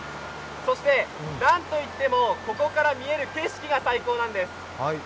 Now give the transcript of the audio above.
そしてなんといってもここから見える景色が最高なんです。